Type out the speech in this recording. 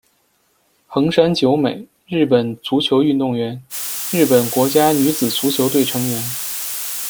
横山久美，日本足球运动员，日本国家女子足球队成员。